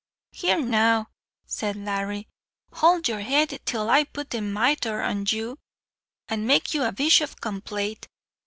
"Here now," said Larry, "howld your head till I put the mithre an you, and make you a bishop complate.